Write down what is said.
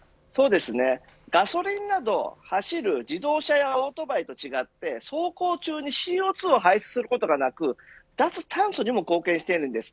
ガソリンなどで走る自動車やオートバイと違って走行中にＣＯ２を排出することはなく脱炭素にも貢献しているんです。